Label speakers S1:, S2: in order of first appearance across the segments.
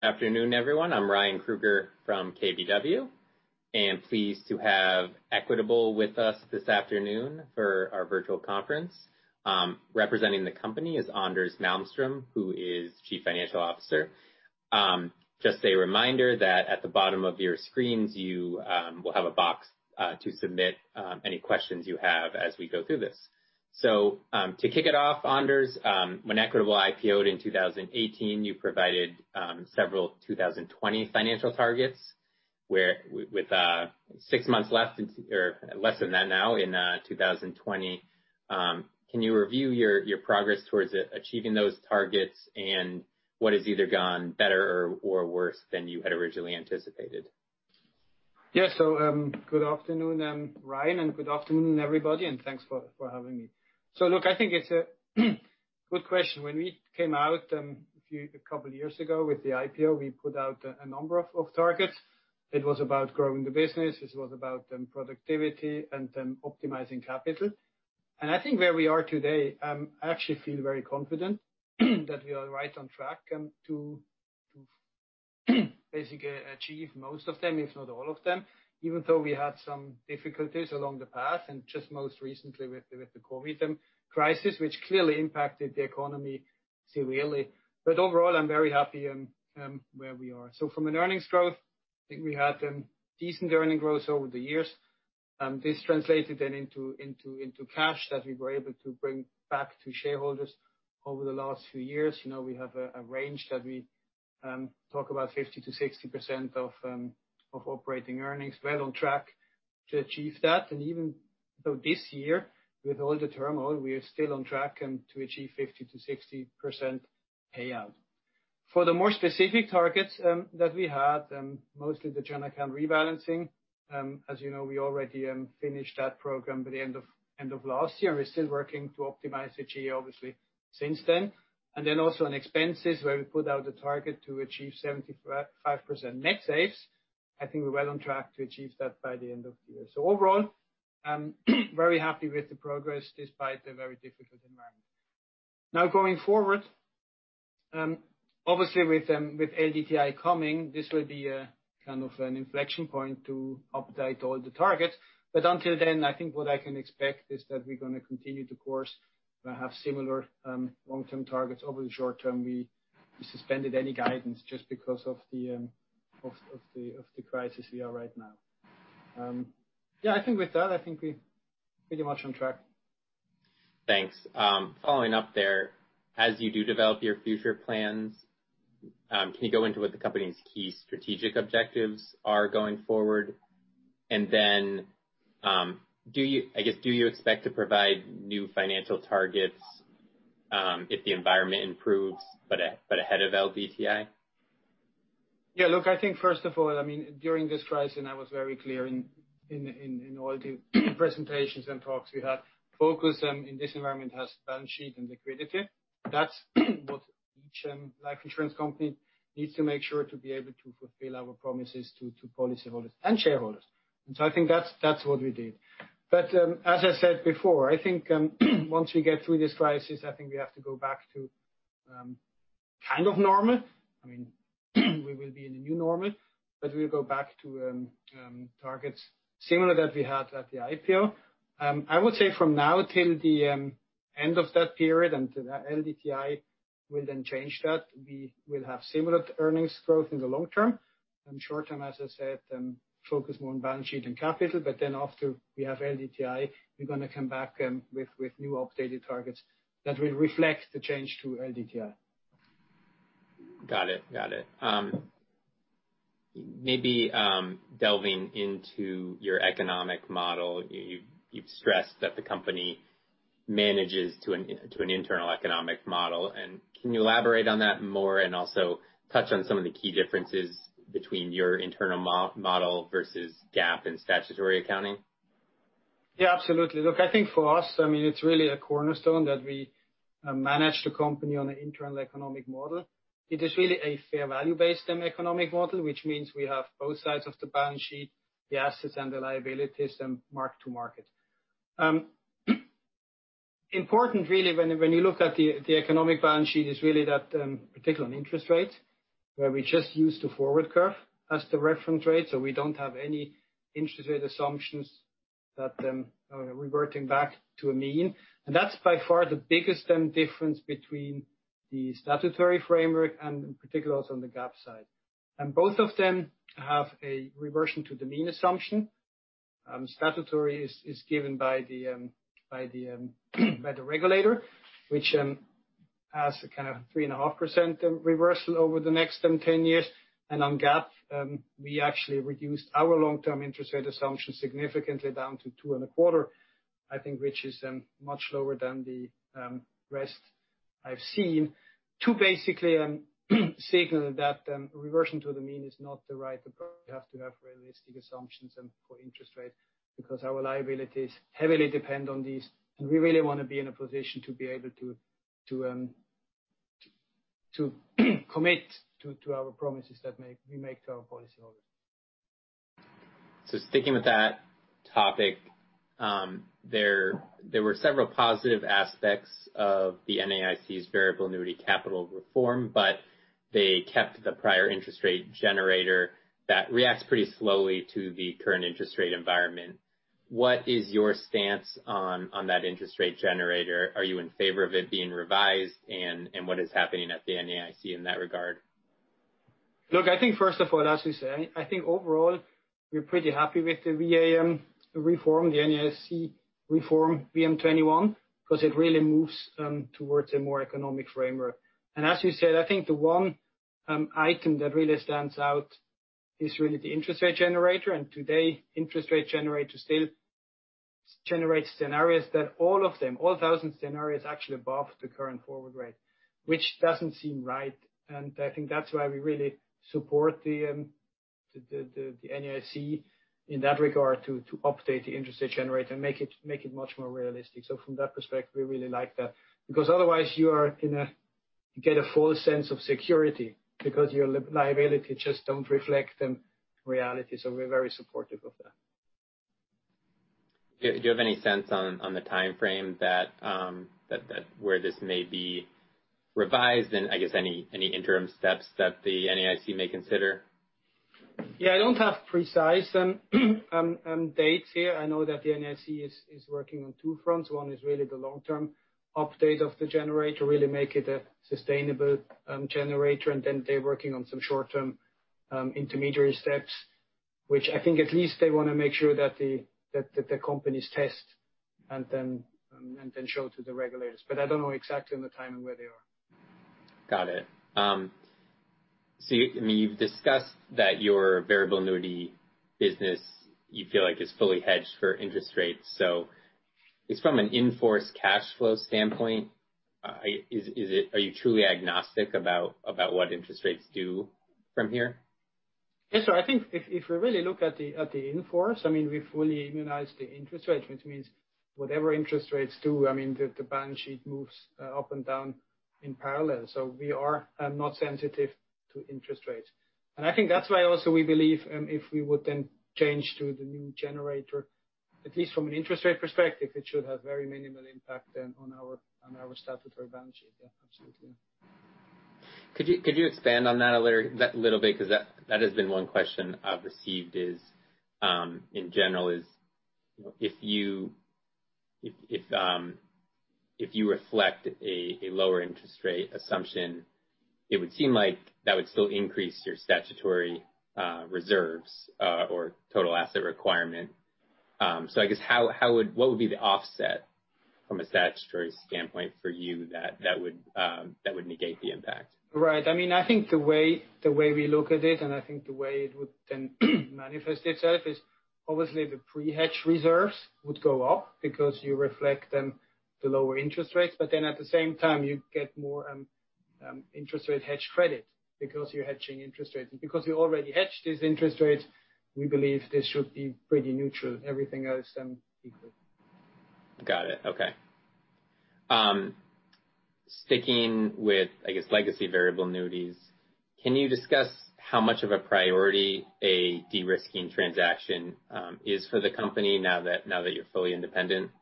S1: Afternoon, everyone. I'm Ryan Krueger from KBW, and pleased to have Equitable with us this afternoon for our virtual conference. Representing the company is Anders Malmström, who is Chief Financial Officer. Just a reminder that at the bottom of your screens, you will have a box to submit any questions you have as we go through this. To kick it off, Anders, when Equitable IPO'd in 2018, you provided several 2020 financial targets. With six months left, or less than that now in 2020, can you review your progress towards achieving those targets and what has either gone better or worse than you had originally anticipated?
S2: Yeah. Good afternoon, Ryan, and good afternoon, everybody, and thanks for having me. Look, I think it's a good question. When we came out a couple years ago with the IPO, we put out a number of targets. It was about growing the business. It was about productivity and then optimizing capital. I think where we are today, I actually feel very confident that we are right on track to basically achieve most of them, if not all of them, even though we had some difficulties along the path and just most recently with the COVID crisis, which clearly impacted the economy severely. Overall, I'm very happy where we are. From an earnings growth, I think we had decent earning growth over the years. This translated then into cash that we were able to bring back to shareholders over the last few years. We have a range that we talk about, 50%-60% of operating earnings. Well on track to achieve that. Even so this year, with all the turmoil, we are still on track to achieve 50%-60% payout. For the more specific targets that we had, mostly the general account rebalancing. As you know, we already finished that program by the end of last year. We're still working to optimize the GA, obviously, since then. Also on expenses, where we put out a target to achieve 75% net saves. I think we're well on track to achieve that by the end of the year. Overall, I'm very happy with the progress despite the very difficult environment. Now going forward, obviously with LDTI coming, this will be kind of an inflection point to update all the targets. Until then, I think what I can expect is that we're going to continue the course and have similar long-term targets. Over the short term, we suspended any guidance just because of the crisis we are right now. Yeah, I think with that, I think we're pretty much on track.
S1: Thanks. Following up there, as you do develop your future plans, can you go into what the company's key strategic objectives are going forward? I guess, do you expect to provide new financial targets if the environment improves, but ahead of LDTI?
S2: Yeah. Look, I think first of all, during this crisis, I was very clear in all the presentations and talks we had. Focus in this environment has balance sheet and liquidity. That's what each life insurance company needs to make sure to be able to fulfill our promises to policyholders and shareholders. I think that's what we did. As I said before, I think once we get through this crisis, I have to go back to kind of normal. We will be in a new normal, but we'll go back to targets similar that we had at the IPO. I would say from now till the end of that period and to the LDTI will then change that. We will have similar earnings growth in the long term. Short term, as I said, focus more on balance sheet and capital, but then after we have LDTI, we're going to come back with new updated targets that will reflect the change to LDTI.
S1: Got it. Maybe delving into your economic model, you've stressed that the company manages to an internal economic model. Can you elaborate on that more and also touch on some of the key differences between your internal model versus GAAP and statutory accounting?
S2: Yeah, absolutely. Look, I think for us, it's really a cornerstone that we manage the company on an internal economic model. It is really a fair value-based economic model, which means we have both sides of the balance sheet, the assets and the liabilities, and mark-to-market. Important really, when you look at the economic balance sheet is really that, particularly on interest rates, where we just use the forward curve as the reference rate, so we don't have any interest rate assumptions that are reverting back to a mean. That's by far the biggest difference between the statutory framework and in particular on the GAAP side. Both of them have a reversion to the mean assumption. Statutory is given by the regulator, which has a kind of 3.5% reversal over the next 10 years. On GAAP, we actually reduced our long-term interest rate assumption significantly down to two and a quarter. I think, which is much lower than the rest I've seen. Two, basically I'm signaling that reversion to the mean is not the right approach. We have to have realistic assumptions for interest rate because our liabilities heavily depend on these, and we really want to be in a position to be able to commit to our promises that we make to our policyholders.
S1: Sticking with that topic, there were several positive aspects of the NAIC's variable annuity capital reform, but they kept the prior interest rate generator that reacts pretty slowly to the current interest rate environment. What is your stance on that interest rate generator? Are you in favor of it being revised? What is happening at the NAIC in that regard?
S2: Look, I think first of all, as we say, I think overall, we're pretty happy with the VA reform, the NAIC reform VM21, because it really moves towards a more economic framework. As you said, I think the one item that really stands out is really the interest rate generator. Today, interest rate generator still generates scenarios that all of them, all 1,000 scenarios, are actually above the current forward rate, which doesn't seem right. I think that's why we really support the NAIC in that regard to update the interest rate generator and make it much more realistic. From that perspective, we really like that, because otherwise you are going to get a false sense of security because your liability just don't reflect the reality. We're very supportive of that.
S1: Do you have any sense on the timeframe where this may be revised and I guess any interim steps that the NAIC may consider?
S2: Yeah, I don't have precise dates here. I know that the NAIC is working on two fronts. One is really the long-term update of the generator, really make it a sustainable generator. Then they're working on some short-term intermediary steps, which I think at least they want to make sure that the companies test and then show to the regulators. I don't know exactly on the timing where they are.
S1: Got it. You've discussed that your variable annuity business, you feel like is fully hedged for interest rates. At least from an in-force cash flow standpoint, are you truly agnostic about what interest rates do from here?
S2: Yes. I think if we really look at the in-force, we fully immunize the interest rates, which means whatever interest rates do, the balance sheet moves up and down in parallel. We are not sensitive to interest rates. I think that's why also we believe if we would then change to the new generator, at least from an interest rate perspective, it should have very minimal impact on our statutory balance sheet. Yeah, absolutely.
S1: Could you expand on that a little bit? That has been one question I've received is, in general is, if you reflect a lower interest rate assumption, it would seem like that would still increase your statutory reserves, or total asset requirement. I guess what would be the offset from a statutory standpoint for you that would negate the impact?
S2: Right. I think the way we look at it, I think the way it would then manifest itself is obviously the pre-hedge reserves would go up because you reflect then the lower interest rates, at the same time, you get more interest rate hedge credit because you're hedging interest rates. Because we already hedged these interest rates, we believe this should be pretty neutral, everything else being equal.
S1: Got it. Okay. Sticking with, I guess, legacy variable annuities, can you discuss how much of a priority a de-risking transaction is for the company now that you're fully independent?
S2: Yeah.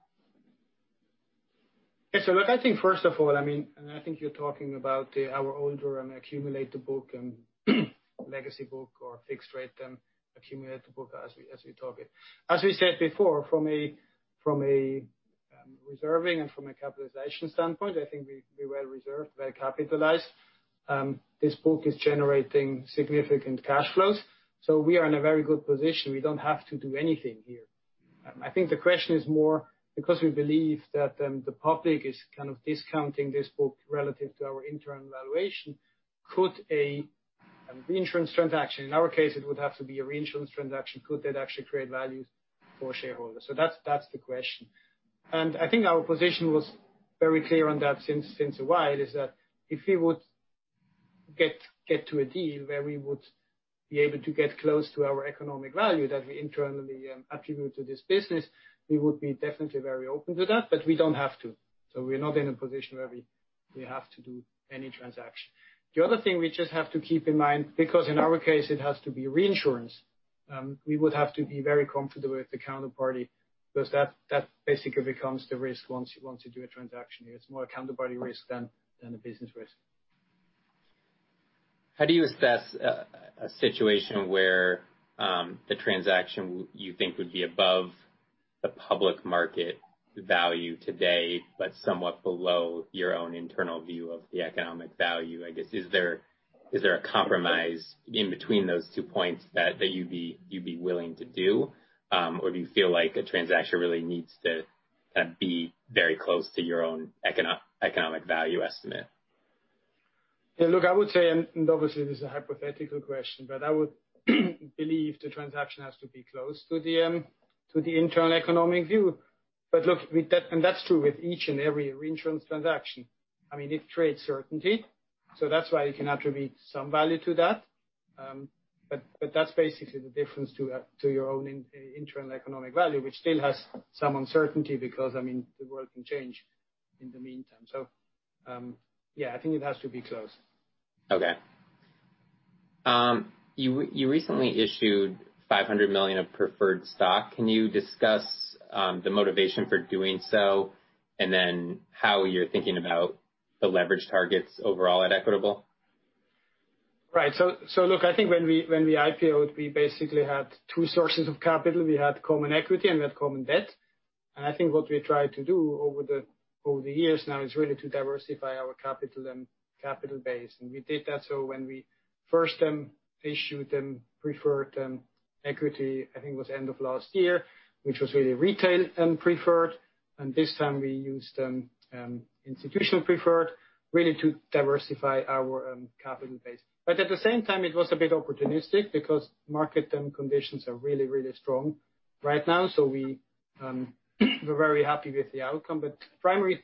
S2: Look, I think first of all, I think you're talking about our older and accumulated book and legacy book or fixed rate and accumulated book as we talk it. As we said before, from a reserving and from a capitalization standpoint, I think we're well reserved, very capitalized. This book is generating significant cash flows. We are in a very good position. We don't have to do anything here. I think the question is more because we believe that the public is kind of discounting this book relative to our internal valuation. Could a reinsurance transaction, in our case, it would have to be a reinsurance transaction. Could that actually create value for shareholders? That's the question. I think our position was very clear on that since a while, is that if we would get to a deal where we would be able to get close to our economic value that we internally attribute to this business, we would be definitely very open to that, but we don't have to. We're not in a position where we have to do any transaction. The other thing we just have to keep in mind, because in our case, it has to be reinsurance. We would have to be very comfortable with the counterparty because that basically becomes the risk once you do a transaction. It's more a counterparty risk than a business risk.
S1: How do you assess a situation where the transaction you think would be above the public market value today, but somewhat below your own internal view of the economic value? I guess, is there a compromise in between those two points that you'd be willing to do? Or do you feel like a transaction really needs to be very close to your own economic value estimate?
S2: Yeah, look, I would say, and obviously this is a hypothetical question, but I would believe the transaction has to be close to the internal economic view. Look, and that's true with each and every reinsurance transaction. It creates certainty. That's why you can attribute some value to that. That's basically the difference to your own internal economic value, which still has some uncertainty because the world can change in the meantime. Yeah, I think it has to be close.
S1: Okay. You recently issued $500 million of preferred stock. Can you discuss the motivation for doing so, and then how you're thinking about the leverage targets overall at Equitable?
S2: Right. Look, I think when we IPO'd, we basically had two sources of capital. We had common equity and we had common debt. I think what we tried to do over the years now is really to diversify our capital and capital base. We did that. When we first issued preferred equity, I think it was end of last year, which was really retail and preferred, and this time we used institutional preferred really to diversify our capital base. At the same time, it was a bit opportunistic because market conditions are really, really strong right now. We're very happy with the outcome. Primary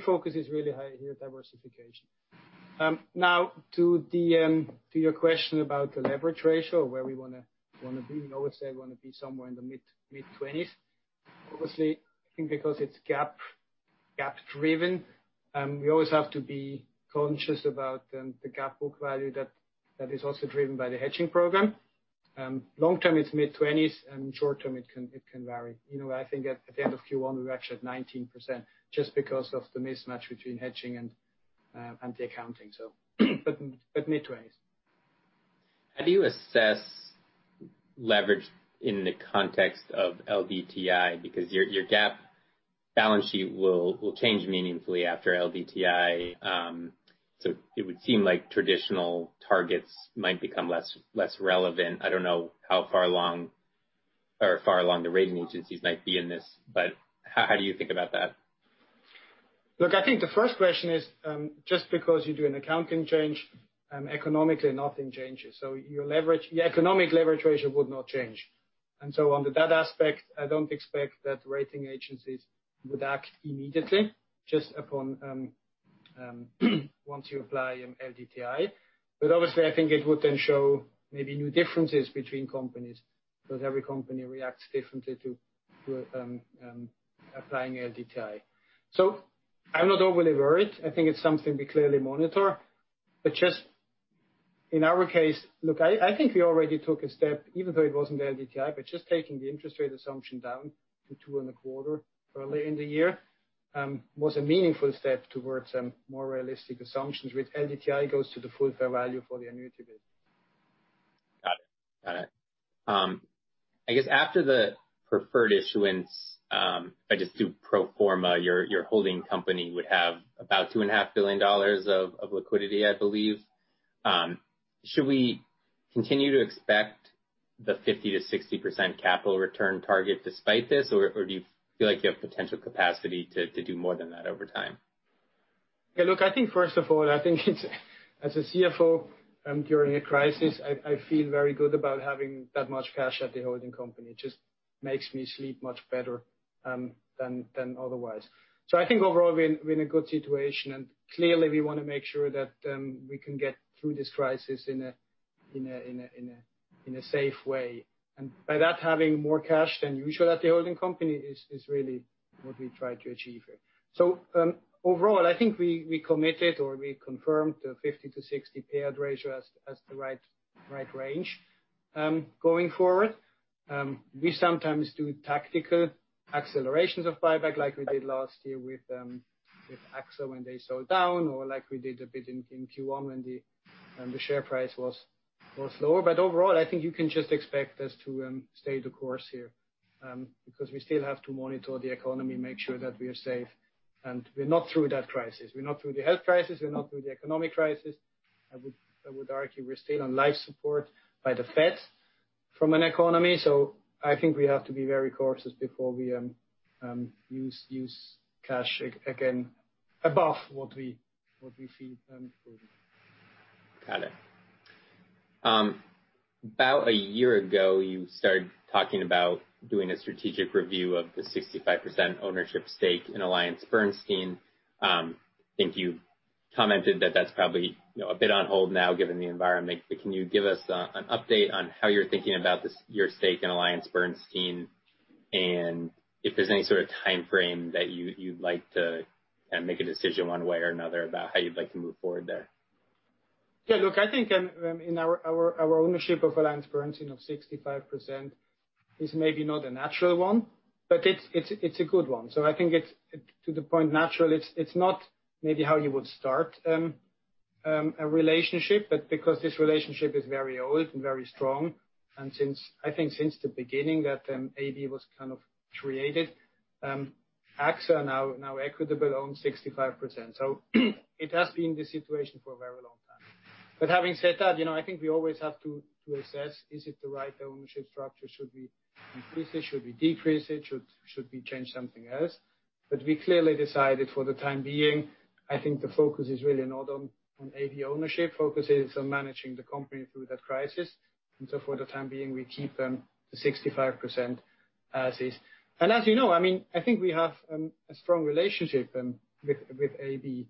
S2: focus is really higher diversification. Now, to your question about the leverage ratio, where we want to be, I would say we want to be somewhere in the mid-20s. Obviously, I think because it's GAAP driven, we always have to be conscious about the GAAP book value that is also driven by the hedging program. Long term, it's mid-20s, and short term it can vary. I think at the end of Q1 we were actually at 19% just because of the mismatch between hedging and the accounting. Mid-20s.
S1: How do you assess leverage in the context of LDTI? Because your GAAP balance sheet will change meaningfully after LDTI. It would seem like traditional targets might become less relevant. I don't know how far along the rating agencies might be in this, but how do you think about that?
S2: Look, I think the first question is, just because you do an accounting change, economically nothing changes. Your economic leverage ratio would not change. Under that aspect, I don't expect that rating agencies would act immediately just upon once you apply LDTI. Obviously, I think it would then show maybe new differences between companies, because every company reacts differently to applying LDTI. I'm not overly worried. I think it's something we clearly monitor. Just in our case, look, I think we already took a step even though it wasn't LDTI, but just taking the interest rate assumption down to two and a quarter early in the year, was a meaningful step towards more realistic assumptions, which LDTI goes to the full fair value for the annuity business.
S1: Got it. I guess after the preferred issuance, if I just do pro forma, your holding company would have about $2.5 billion of liquidity, I believe. Should we continue to expect the 50%-60% capital return target despite this? Or do you feel like you have potential capacity to do more than that over time?
S2: Yeah, look, I think first of all, I think as a CFO during a crisis, I feel very good about having that much cash at the holding company. It just makes me sleep much better than otherwise. Overall, I think we're in a good situation, clearly, we want to make sure that we can get through this crisis in a safe way. By that, having more cash than usual at the holding company is really what we try to achieve here. Overall, I think we committed or we confirmed the 50-60 payout ratio as the right range. Going forward, we sometimes do tactical accelerations of buyback like we did last year with AXA when they sold down or like we did a bit in Q1 when the share price was lower. Overall, I think you can just expect us to stay the course here, because we still have to monitor the economy, make sure that we are safe, and we're not through that crisis. We're not through the health crisis, we're not through the economic crisis. I would argue we're still on life support by the Fed from an economy. I think we have to be very cautious before we use cash again above what we see going forward.
S1: Got it. About a year ago, you started talking about doing a strategic review of the 65% ownership stake in AllianceBernstein. I think you commented that that's probably a bit on hold now given the environment. Can you give us an update on how you're thinking about your stake in AllianceBernstein, and if there's any sort of timeframe that you'd like to make a decision one way or another about how you'd like to move forward there?
S2: Look, I think in our ownership of AllianceBernstein of 65% is maybe not a natural one, but it's a good one. I think it's to the point, natural, it's not maybe how you would start a relationship. Because this relationship is very old and very strong, and since, I think, since the beginning that AB was kind of created, AXA, now Equitable, owns 65%. It has been this situation for a very long time. Having said that, I think we always have to assess, is it the right ownership structure? Should we increase it? Should we decrease it? Should we change something else? We clearly decided for the time being, I think the focus is really not on AB ownership. Focus is on managing the company through that crisis. For the time being, we keep the 65% as is. As you know, I think we have a strong relationship with AB.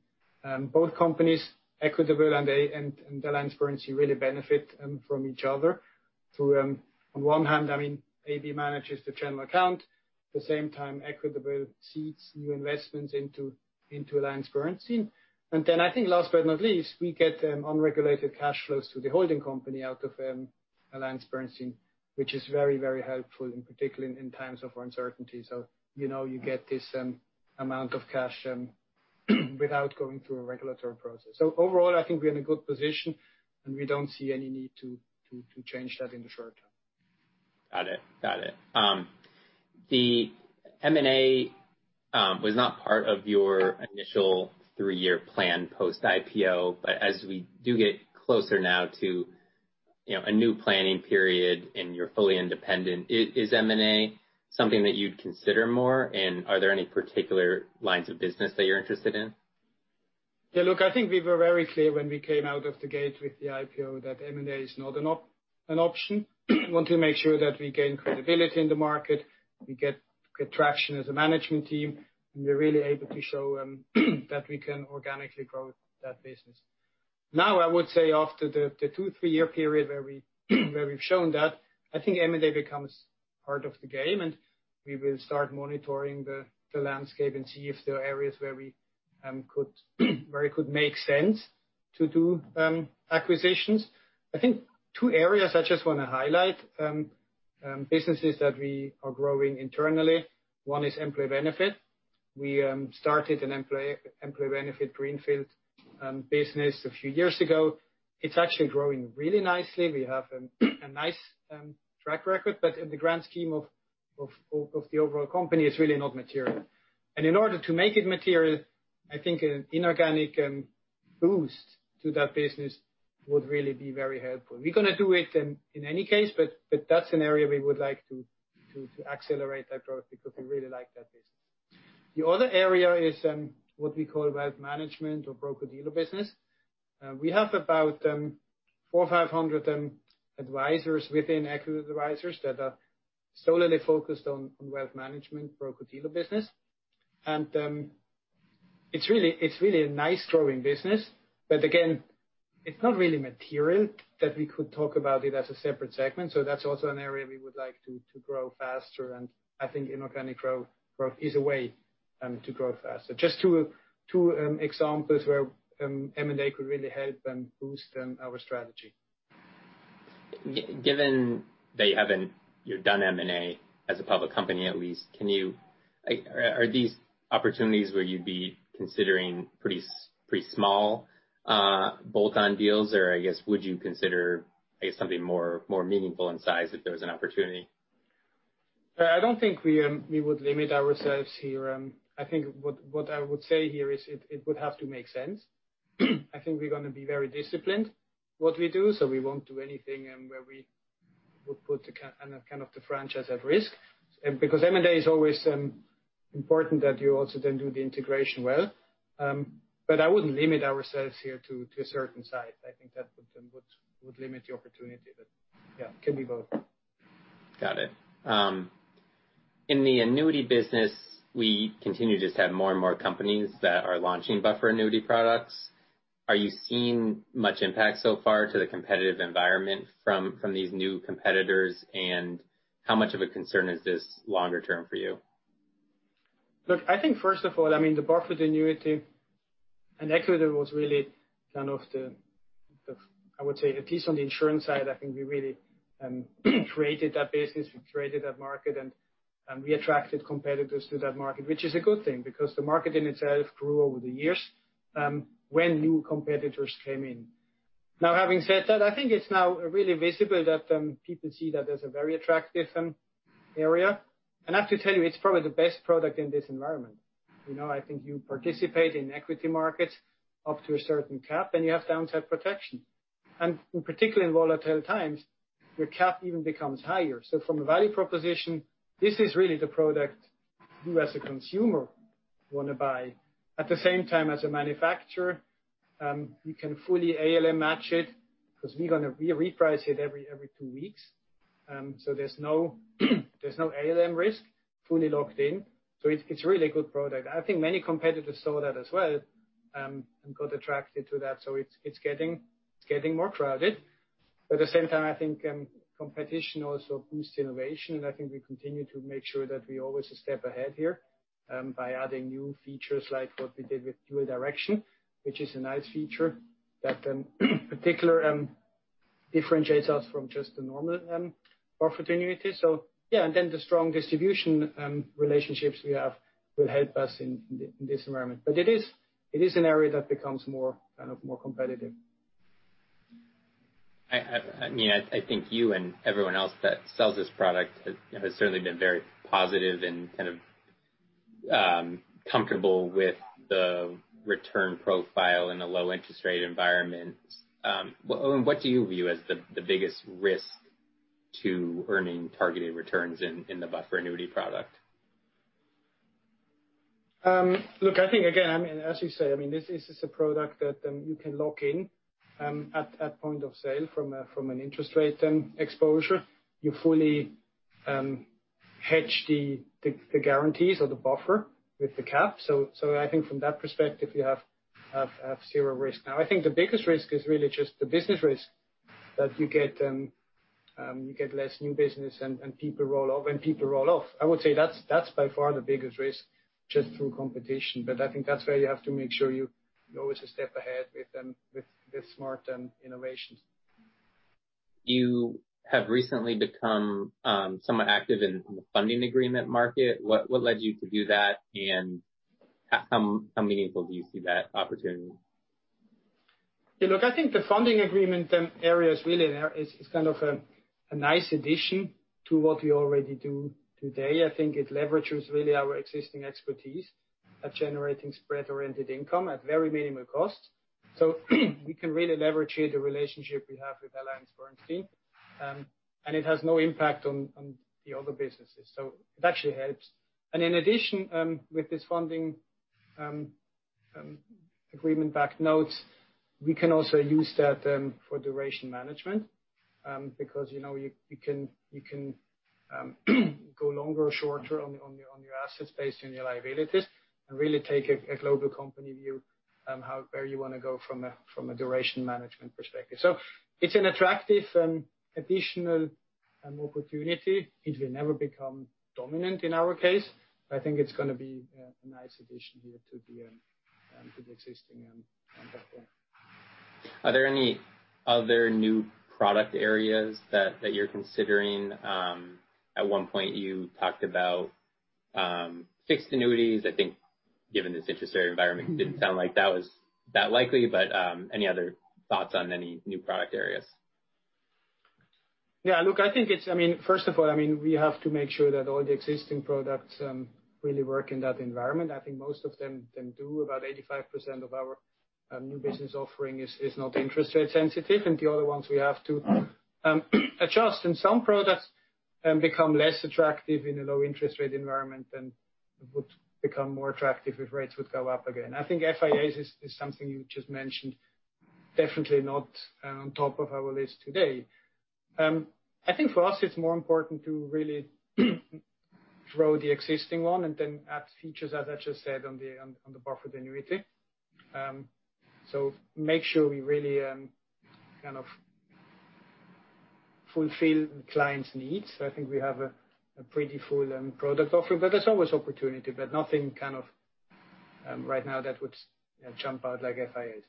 S2: Both companies, Equitable and AllianceBernstein, really benefit from each other. On one hand, AB manages the general account. At the same time, Equitable seeds new investments into AllianceBernstein. I think last but not least, we get unregulated cash flows to the holding company out of AllianceBernstein, which is very, very helpful, in particular in times of uncertainty. You get this amount of cash without going through a regulatory process. Overall, I think we're in a good position, and we don't see any need to change that in the short term.
S1: Got it. The M&A was not part of your initial three-year plan post-IPO. As we do get closer now to a new planning period and you're fully independent, is M&A something that you'd consider more? Are there any particular lines of business that you're interested in?
S2: Look, I think we were very clear when we came out of the gate with the IPO that M&A is not an option. We want to make sure that we gain credibility in the market, we get traction as a management team, and we're really able to show that we can organically grow that business. I would say after the two, three-year period where we've shown that, I think M&A becomes part of the game, and we will start monitoring the landscape and see if there are areas where it could make sense to do acquisitions. I think two areas I just want to highlight, businesses that we are growing internally. One is employee benefit. We started an employee benefit greenfield business a few years ago. It's actually growing really nicely. We have a nice track record. In the grand scheme of the overall company, it's really not material. In order to make it material, I think an inorganic boost to that business would really be very helpful. We're going to do it in any case, but that's an area we would like to accelerate that growth because we really like that business. The other area is what we call wealth management or broker-dealer business. We have about 4,500 advisors within Equitable Advisors that are solely focused on wealth management broker-dealer business. It's really a nice growing business. Again, it's not really material that we could talk about it as a separate segment. That's also an area we would like to grow faster, and I think inorganic growth is a way to grow faster. Just two examples where M&A could really help and boost our strategy.
S1: Given that you haven't done M&A as a public company, at least, are these opportunities where you'd be considering pretty small bolt-on deals? I guess, would you consider something more meaningful in size if there was an opportunity?
S2: I don't think we would limit ourselves here. I think what I would say here is it would have to make sense. I think we're going to be very disciplined with what we do. We won't do anything where we would put kind of the franchise at risk. M&A is always important that you also then do the integration well. I wouldn't limit ourselves here to a certain size. I think that would limit the opportunity. Yeah, can be both.
S1: Got it. In the annuity business, we continue to just have more and more companies that are launching buffer annuity products. Are you seeing much impact so far to the competitive environment from these new competitors? How much of a concern is this longer term for you?
S2: Look, I think first of all, the buffered annuity and Equitable was really kind of the, I would say, at least on the insurance side, I think we really created that business, we created that market, and we attracted competitors to that market, which is a good thing, because the market in itself grew over the years, when new competitors came in. Having said that, I think it's now really visible that people see that as a very attractive area. I have to tell you, it's probably the best product in this environment. I think you participate in equity markets up to a certain cap, and you have downside protection. In particular, in volatile times, your cap even becomes higher. From a value proposition, this is really the product you as a consumer want to buy. At the same time, as a manufacturer, you can fully ALM match it, because we're going to reprice it every two weeks. There's no ALM risk, fully locked in. It's really a good product. I think many competitors saw that as well, and got attracted to that. It's getting more crowded. At the same time, I think competition also boosts innovation. I think we continue to make sure that we're always a step ahead here, by adding new features like what we did with Dual Direction, which is a nice feature that in particular differentiates us from just the normal buffered annuity. Yeah. The strong distribution relationships we have will help us in this environment. It is an area that becomes more competitive.
S1: I think you and everyone else that sells this product has certainly been very positive and kind of comfortable with the return profile in a low interest rate environment. What do you view as the biggest risk to earning targeted returns in the buffered annuity product?
S2: Look, I think, again, as you say, this is a product that you can lock in at point of sale from an interest rate exposure. Hedge the guarantees or the buffer with the cap. I think from that perspective, you have zero risk. I think the biggest risk is really just the business risk, that you get less new business and people roll off. I would say that's by far the biggest risk, just through competition. I think that's where you have to make sure you're always a step ahead with the smart innovations.
S1: You have recently become somewhat active in the funding agreement market. What led you to do that, and how meaningful do you see that opportunity?
S2: Look, I think the funding agreement area is really a nice addition to what we already do today. I think it leverages really our existing expertise at generating spread-oriented income at very minimal cost. We can really leverage here the relationship we have with AllianceBernstein. It has no impact on the other businesses. It actually helps. In addition, with this funding agreement-backed notes, we can also use that for duration management, because you can go longer or shorter on your assets based on your liabilities and really take a global company view where you want to go from a duration management perspective. It's an attractive additional opportunity. It will never become dominant in our case. I think it's going to be a nice addition here to the existing platform.
S1: Are there any other new product areas that you're considering? At one point you talked about fixed annuities. I think given this interest rate environment, it didn't sound like that was that likely, but any other thoughts on any new product areas?
S2: Yeah. Look, first of all, we have to make sure that all the existing products really work in that environment. I think most of them do. About 85% of our new business offering is not interest rate sensitive. The other ones we have to adjust. Some products become less attractive in a low interest rate environment than would become more attractive if rates would go up again. I think FIAs is something you just mentioned. Definitely not on top of our list today. I think for us, it's more important to really grow the existing one and then add features, as I just said, on the buffered annuity. Make sure we really fulfill the client's needs. I think we have a pretty full product offering, but there's always opportunity, but nothing right now that would jump out like FIAs.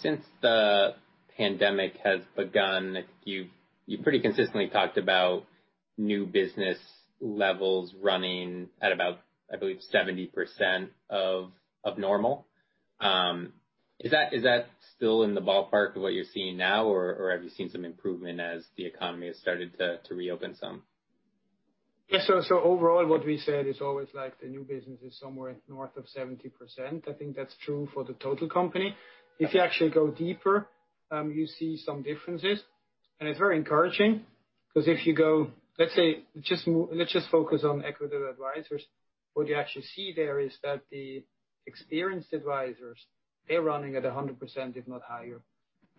S1: Since the pandemic has begun, you've pretty consistently talked about new business levels running at about, I believe, 70% of normal. Is that still in the ballpark of what you're seeing now, or have you seen some improvement as the economy has started to reopen some?
S2: Yeah. Overall, what we said is always the new business is somewhere north of 70%. I think that's true for the total company. If you actually go deeper, you see some differences. It's very encouraging, because if you go, let's just focus on Equitable Advisors. What you actually see there is that the experienced advisors, they're running at 100%, if not higher.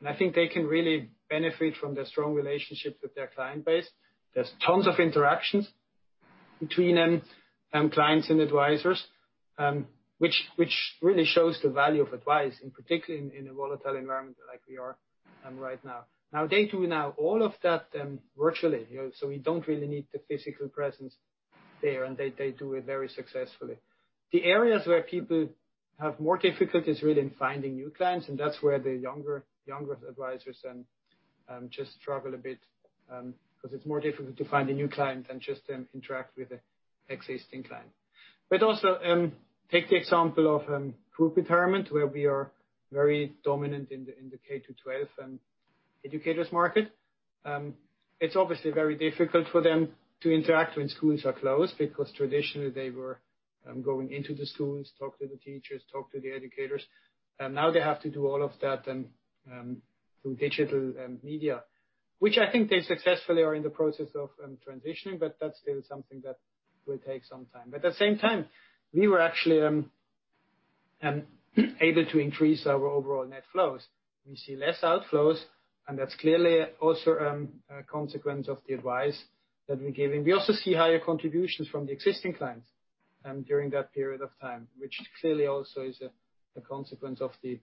S2: I think they can really benefit from the strong relationships with their client base. There's tons of interactions between them, clients and advisors, which really shows the value of advice, and particularly in a volatile environment like we are right now. Now they do all of that virtually, we don't really need the physical presence there, and they do it very successfully. The areas where people have more difficulties, really, in finding new clients, and that's where the younger advisors then just struggle a bit. Because it's more difficult to find a new client than just interact with existing client. Also, take the example of group retirement, where we are very dominant in the K to 12 educators market. It's obviously very difficult for them to interact when schools are closed, because traditionally they were going into the schools, talk to the teachers, talk to the educators. Now they have to do all of that through digital media. Which I think they successfully are in the process of transitioning, but that's still something that will take some time. At the same time, we were actually able to increase our overall net flows. We see less outflows, and that's clearly also a consequence of the advice that we're giving. We also see higher contributions from the existing clients during that period of time, which clearly also is a consequence of the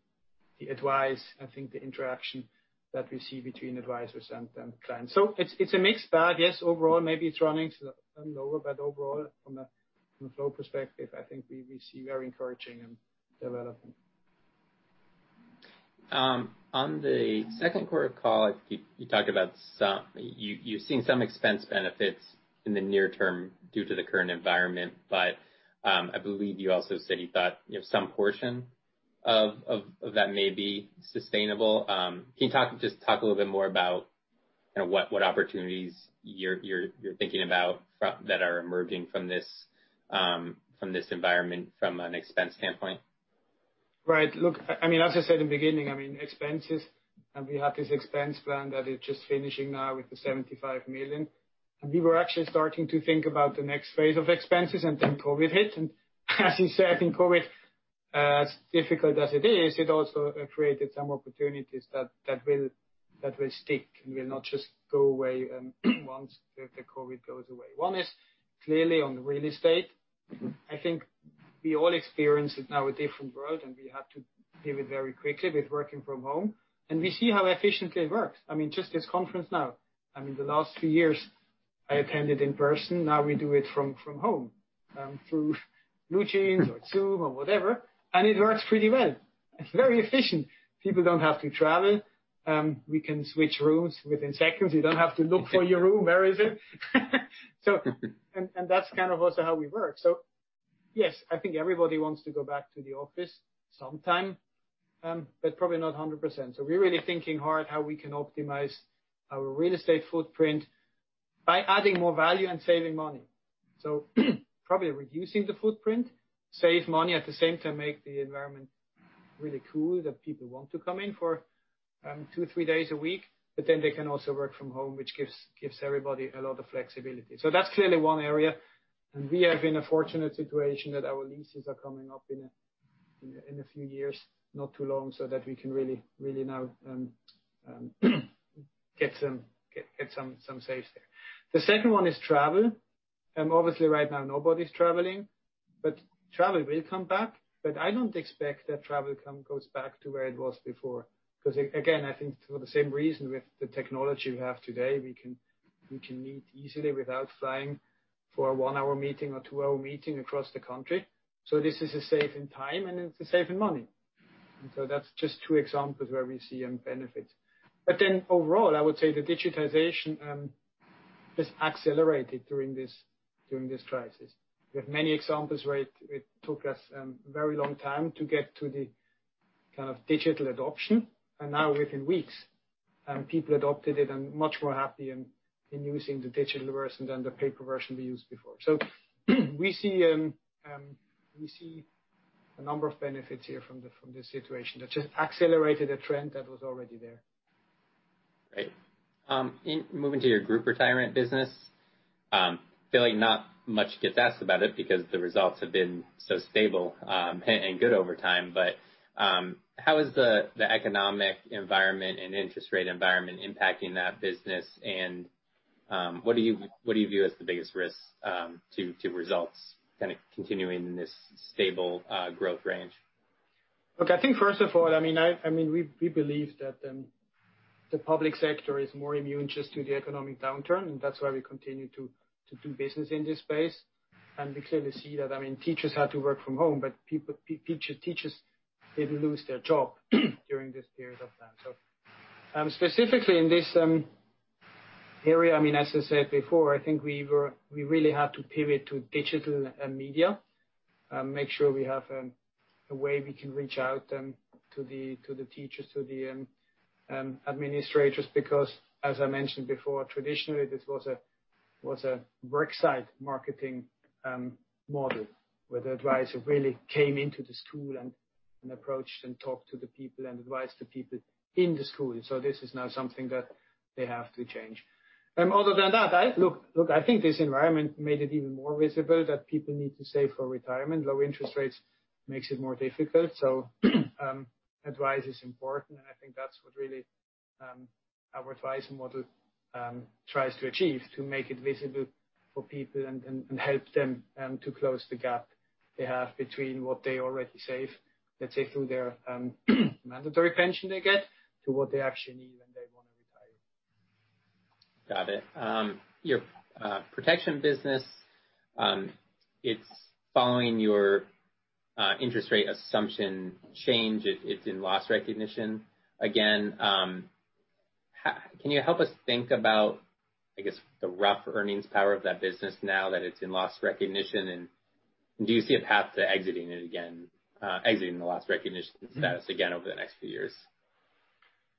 S2: advice, I think the interaction that we see between advisors and clients. It's a mixed bag. Yes, overall, maybe it's running lower, but overall, from a flow perspective, I think we see very encouraging development.
S1: On the second quarter call, I think you talked about you've seen some expense benefits in the near term due to the current environment. I believe you also said you thought some portion of that may be sustainable. Can you just talk a little bit more about what opportunities you're thinking about that are emerging from this environment from an expense standpoint?
S2: Right. Look, as I said in the beginning, expenses, and we had this expense plan that is just finishing now with the $75 million. We were actually starting to think about the next phase of expenses, then COVID hit. As you said, in COVID- As difficult as it is, it also created some opportunities that will stick and will not just go away once the COVID goes away. One is clearly on the real estate. I think we all experience it now, a different world, and we have to pivot very quickly with working from home, and we see how efficiently it works. Just this conference now. In the last few years, I attended in person. Now we do it from home, through BlueJeans or Zoom or whatever, and it works pretty well. It's very efficient. People don't have to travel. We can switch rooms within seconds. You don't have to look for your room. Where is it? That's kind of also how we work. Yes, I think everybody wants to go back to the office sometime, probably not 100%. We're really thinking hard how we can optimize our real estate footprint by adding more value and saving money. Probably reducing the footprint, save money, at the same time, make the environment really cool that people want to come in for two or three days a week. They can also work from home, which gives everybody a lot of flexibility. That's clearly one area. We have been in a fortunate situation that our leases are coming up in a few years, not too long, so that we can really now get some saves there. The second one is travel. Obviously right now nobody's traveling, travel will come back. I don't expect that travel goes back to where it was before, because again, I think for the same reason with the technology we have today, we can meet easily without flying for a one-hour meeting or two-hour meeting across the country. This is a save in time and it's a save in money. That's just two examples where we see benefits. Overall, I would say the digitization has accelerated during this crisis. We have many examples where it took us a very long time to get to the kind of digital adoption. Now within weeks, people adopted it and much more happy in using the digital version than the paper version we used before. We see a number of benefits here from the situation that just accelerated a trend that was already there.
S1: Great. Moving to your group retirement business, I feel like not much gets asked about it because the results have been so stable and good over time. How is the economic environment and interest rate environment impacting that business? What do you view as the biggest risk to results kind of continuing in this stable growth range?
S2: I think first of all, we believe that the public sector is more immune just to the economic downturn, and that's why we continue to do business in this space. We clearly see that. Teachers had to work from home, but teachers didn't lose their job during this period of time. Specifically in this area, as I said before, I think we really have to pivot to digital media. Make sure we have a way we can reach out to the teachers, to the administrators, because as I mentioned before, traditionally this was a work site marketing model, where the advisor really came into the school and approached and talked to the people and advised the people in the school. This is now something that they have to change. Other than that, look, I think this environment made it even more visible that people need to save for retirement. Lower interest rates makes it more difficult. Advice is important, and I think that's what really our advice model tries to achieve, to make it visible for people and help them to close the gap they have between what they already save, let's say through their mandatory pension they get, to what they actually need when they want to retire.
S1: Got it. Your protection business, it's following your interest rate assumption change. It's in loss recognition again. Can you help us think about, I guess, the rough earnings power of that business now that it's in loss recognition, and do you see a path to exiting it again, exiting the loss recognition status again over the next few years?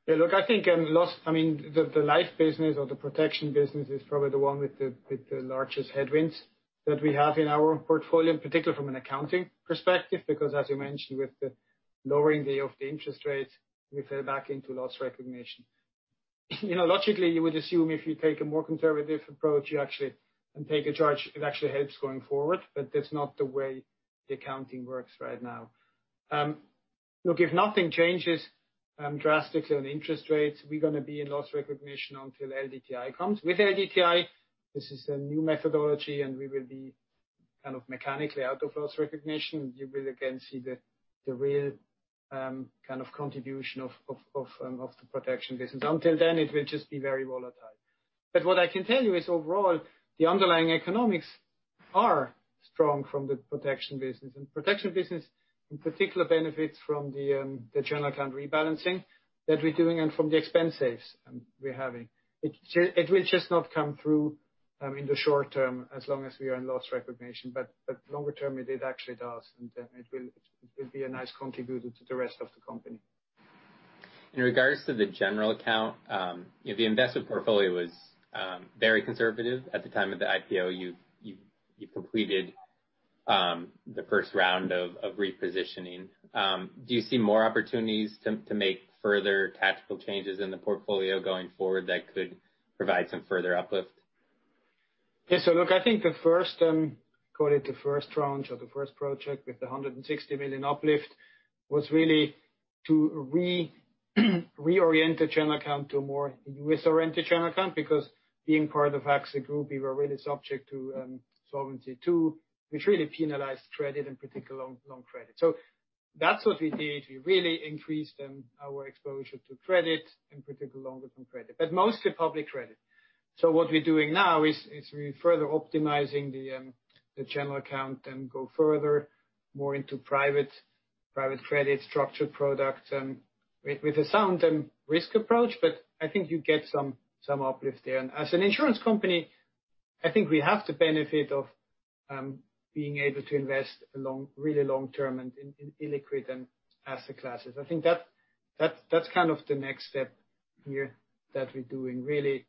S2: Yeah. Look, I think the life business or the protection business is probably the one with the largest headwinds that we have in our portfolio, in particular from an accounting perspective, because as you mentioned, with the lowering of the interest rates, we fell back into loss recognition. Logically, you would assume if you take a more conservative approach and take a charge, it actually helps going forward, but that's not the way the accounting works right now. Look, if nothing changes drastically on interest rates, we're going to be in loss recognition until LDTI comes. With LDTI, this is a new methodology, and we will be kind of mechanically out of loss recognition. You will again see the real kind of contribution of the protection business. Until then, it will just be very volatile. What I can tell you is overall, the underlying economics are strong from the protection business. Protection business in particular benefits from the general account rebalancing that we're doing and from the expense saves we're having. It will just not come through in the short term as long as we are in loss recognition. Longer term, it actually does, and it will be a nice contributor to the rest of the company.
S1: In regards to the general account, the invested portfolio was very conservative at the time of the IPO. You completed the first round of repositioning. Do you see more opportunities to make further tactical changes in the portfolio going forward that could provide some further uplift?
S2: Look, I think the first, call it the first round or the first project with the $160 million uplift, was really to reorient the general account to a more U.S.-oriented general account, because being part of AXA Group, we were really subject to Solvency II, which really penalized credit, in particular long credit. That's what we did. We really increased our exposure to credit, in particular longer-term credit, but mostly public credit. What we're doing now is we're further optimizing the general account and go further more into private credit structured products with a sound risk approach. I think you get some uplift there. As an insurance company, I think we have the benefit of being able to invest really long-term and in illiquid asset classes. I think that's kind of the next step here that we're doing, really,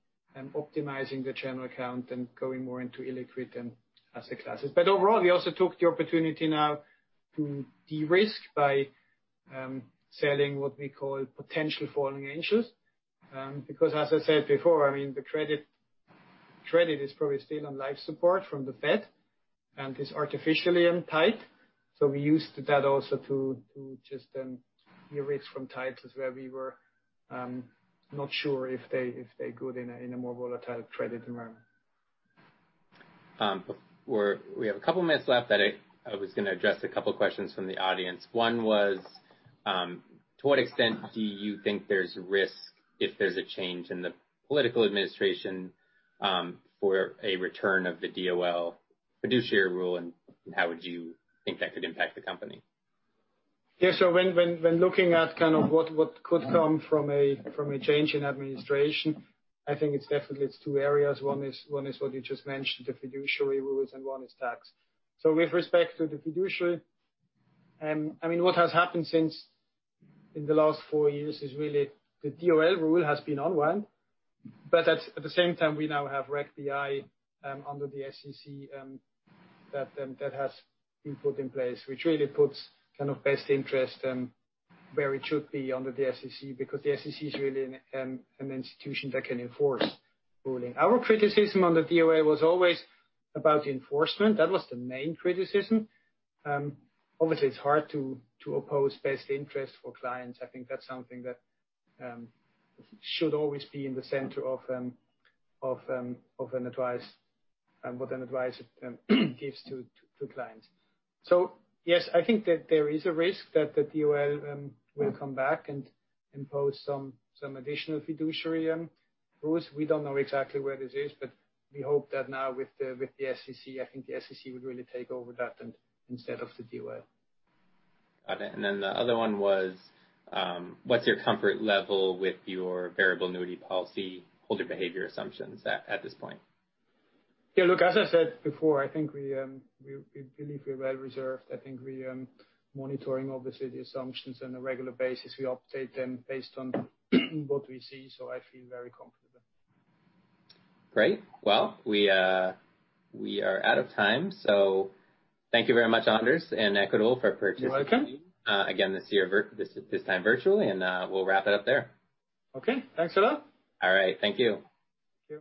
S2: optimizing the general account and going more into illiquid asset classes. Overall, we also took the opportunity now to de-risk by selling what we call potential fallen angels. Because as I said before, the credit is probably still on life support from the Fed and is artificially untied. We used that also to de-risk from titles where we were not sure if they're good in a more volatile credit environment.
S1: We have a couple minutes left that I was going to address a couple questions from the audience. One was, to what extent do you think there's risk if there's a change in the political administration, for a return of the DOL fiduciary rule, and how would you think that could impact the company?
S2: Yeah. When looking at what could come from a change in administration, I think it's definitely 2 areas. One is what you just mentioned, the fiduciary rules, and one is tax. With respect to the fiduciary, what has happened since in the last 4 years is really the DOL rule has been unwind. At the same time, we now have Reg BI, under the SEC, that has been put in place, which really puts kind of best interest, where it should be under the SEC, because the SEC is really an institution that can enforce ruling. Our criticism on the DOL was always about enforcement. That was the main criticism. Obviously, it's hard to oppose best interest for clients. I think that's something that should always be in the center of an advice and what an advice gives to clients. Yes, I think that there is a risk that the DOL will come back and impose some additional fiduciary rules. We don't know exactly where this is, but we hope that now with the SEC, I think the SEC would really take over that instead of the DOL.
S1: Got it. Then the other one was, what's your comfort level with your variable annuity policy holder behavior assumptions at this point?
S2: Look, as I said before, I think we believe we're well-reserved. I think we're monitoring, obviously, the assumptions on a regular basis. We update them based on what we see. I feel very comfortable.
S1: Great. We are out of time. Thank you very much, Anders and Equitable for participating.
S2: You're welcome
S1: again this year, this time virtually. We'll wrap it up there.
S2: Okay. Thanks a lot.
S1: All right. Thank you.
S2: Cheers.